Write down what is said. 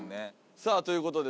さあということで。